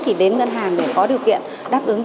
thì đến ngân hàng để có điều kiện đáp ứng